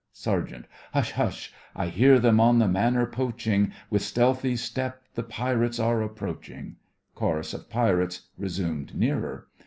SERGEANT: Hush, hush! I hear them on the manor poaching, With stealthy step the pirates are approaching. (Chorus of Pirates, resumed nearer.)